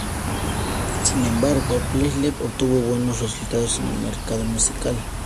Sin embargo, Presley obtuvo buenos resultados en el mercado musical.